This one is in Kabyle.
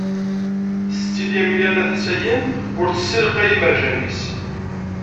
Setti Lyamina n At Ḥsayen ur tessalqey imerjan-nni.